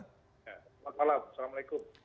selamat malam assalamualaikum